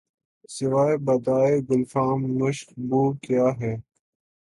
سوائے بادۂ گلفام مشک بو کیا ہے